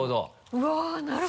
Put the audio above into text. うわっなるほど！